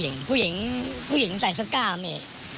ใช่ผู้หญิงผู้หญิงใส่สก้าวมี